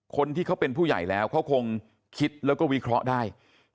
คนที่เขาเป็นผู้ใหญ่แล้วเขาคงคิดแล้วก็วิเคราะห์ได้